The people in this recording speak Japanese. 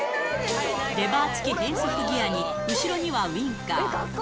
レバー付き変速ギアに後ろにはウィンカー。